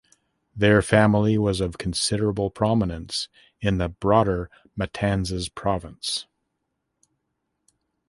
Their family was of considerable prominence in the broader Matanzas province.